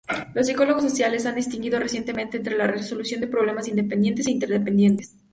Los psicólogos sociales han distinguido recientemente entre la resolución de problemas independientes e interdependientes.